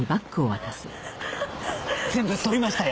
全部撮りましたよ。